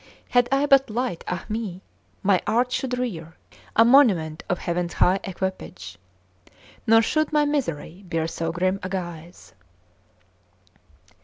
Had I but light, ah me! my art should rear A monument of Heaven's high equipage! Nor should my misery bear so grim a guise."